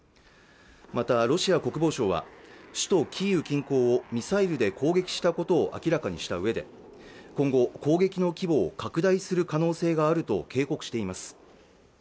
またロシア国防省は首都キーウ近郊をミサイルで攻撃したことを明らかにした上で今後、攻撃の規模を拡大する可能性があると警告しています